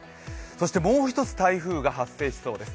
そして、もう１つ台風が発生しそうです。